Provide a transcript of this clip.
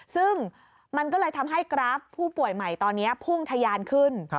ซึ่งมันก็เลยทำให้กราฟผู้ป่วยใหม่ตอนนี้พุ่งทะยานขึ้น